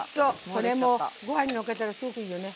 これもご飯にのっけたらすごくいいよね。